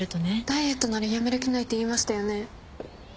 ダイエットならやめる気ないって言いましたよね？